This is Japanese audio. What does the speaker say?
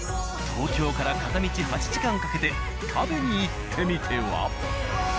東京から片道８時間かけて食べに行ってみては？